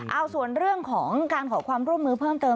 เอาส่วนเรื่องของการขอความร่วมมือเพิ่มเติม